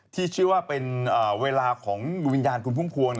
ที่เชื่อว่าเป็นเวลาของวิญญาณคุณพุ่มพวง